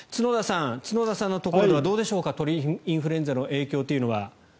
角田さんのところではどうでしょうか鳥インフルエンザの影響というのは。